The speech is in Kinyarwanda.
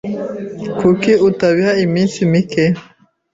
Kuki utabiha iminsi mike?